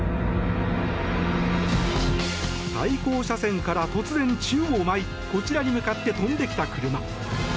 対向車線から突然、宙を舞いこちらに向かって飛んできた車。